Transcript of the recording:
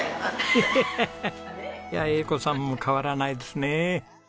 ヘヘヘヘいや英子さんも変わらないですね。